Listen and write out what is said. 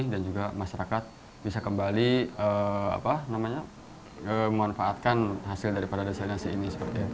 dan juga masyarakat bisa kembali memanfaatkan hasil dari desalinasi ini